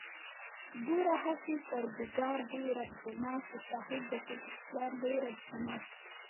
گوره هسې کردگار دئ رب زما چې صاحب د کُل اختيار دئ رب زما